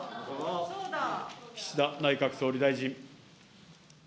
岸田内閣総理大臣。